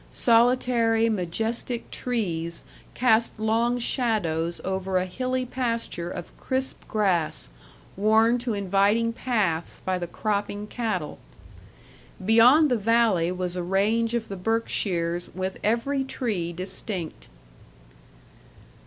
Solitary, majestic trees cast long shadows over a hilly pasture of crisp grass worn to inviting paths by the cropping cattle. Beyond the valley was a range of the Berkshires with every tree distinct.